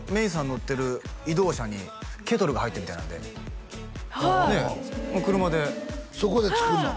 乗ってる移動車にケトルが入ってるみたいなんではい車でそこで作るの？